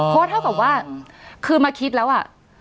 เพราะเท่ากับว่าคือมาคิดแล้วอ่ะ